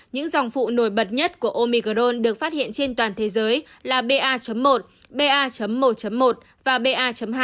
những dòng phụ nổi bật nhất của omi gron được phát hiện trên toàn thế giới là ba một ba một một và ba hai